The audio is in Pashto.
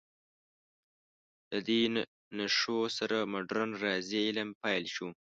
د دې نښو سره مډرن ریاضي علم پیل شو.